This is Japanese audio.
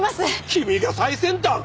君が最先端？